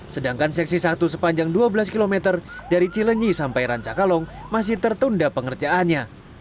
sedangkan seksi satu sepanjang dua belas km dari cilenyi sampai rancakalong masih tertunda pengerjaannya